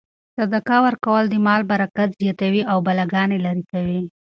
صدقه ورکول د مال برکت زیاتوي او بلاګانې لیرې کوي.